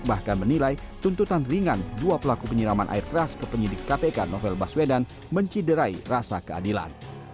bahkan menilai tuntutan ringan dua pelaku penyiraman air keras ke penyidik kpk novel baswedan menciderai rasa keadilan